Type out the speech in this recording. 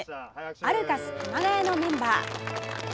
アルカス熊谷のメンバー。